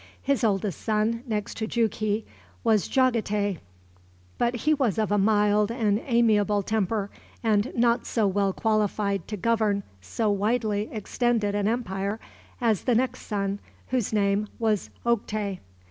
His oldest son, next to Jughi, was Jagatay, but he was of a mild and amiable temper, and not so well qualified to govern so widely extended an empire as the next son, whose name was Oktay.